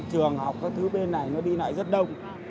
trường học các thứ bên này nó đi lại rất đông